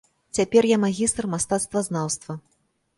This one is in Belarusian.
Цяпер я магістр мастацтвазнаўства.